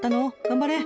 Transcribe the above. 頑張れ！